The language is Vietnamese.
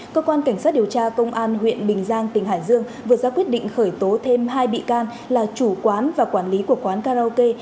cơ quan cảnh sát điều tra công an huyện bình giang tỉnh hải dương vừa ra quyết định khởi tố thêm hai bị can là chủ quán và quản lý của quán karaoke